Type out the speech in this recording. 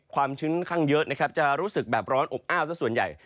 ความชิ้นข้างเยอะจะรู้สึกแบบร้อนอบอ้าวสักส่วนใหญ่